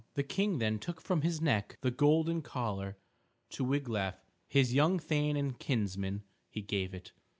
The King then took from his neck the golden collar. To Wiglaf, his young thane and kinsman, he gave it.